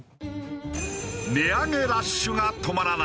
値上げラッシュが止まらない。